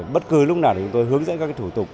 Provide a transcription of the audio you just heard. bất cứ lúc nào thì chúng tôi hướng dẫn các thủ tục